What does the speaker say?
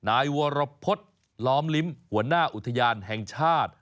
นายวรพฤษล้อมลิ้มหัวหน้าอุทยานแห่งชาติ